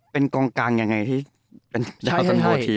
เป็นกองกังยังไงที่เป็นดาวน์สันโวสสุดทีม